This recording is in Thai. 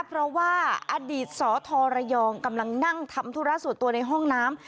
เพราะว่าอดีตสทระยองกำลังนั่งทำธุระส่วนตัวในห้องน้ำ